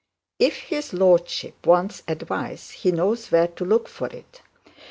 If his lordship wants advice, he knows where to look for it.'